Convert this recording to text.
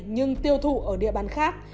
nhưng tiêu thụ ở địa bàn khác